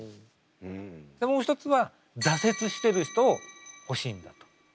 でもう一つは「挫折してる人を欲しいんだ」と。